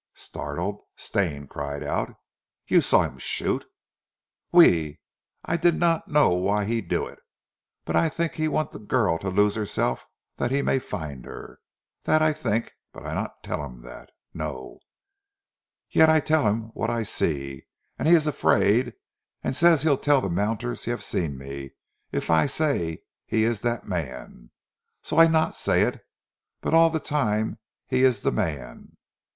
Startled, Stane cried out. "You saw him shoot " "Oui! I not know why he do eet. But I tink he want zee girl to lose herself dat he may find her. Dat I tink, but I not tell heem dat. Non! Yet I tell heem what I see, an' he ees afraid, an' say he tell zee mounters he haf seen me, eef I say he ees dat man. So I not say eet, but all zee time he ees zee man.